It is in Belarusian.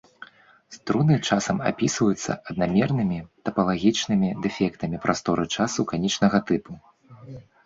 Струны часам апісваюцца аднамернымі тапалагічнымі дэфектамі прасторы-часу канічнага тыпу.